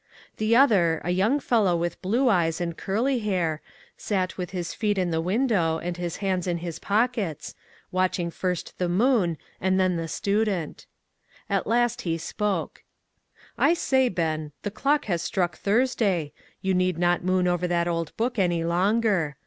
The other, a young fellow with blue eyes and curly hair, sat with his feet in the window and his hands in his pockets, FROM MIDNIGHT TO SUNRISE. 9 watching first the moon and then the student. At last he spoke : "I say, Ben, the clock has struck Thurs day ; you need not moon over that old book any longer.